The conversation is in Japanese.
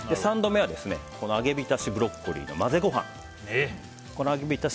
３度目は揚げ浸しブロッコリーの混ぜご飯。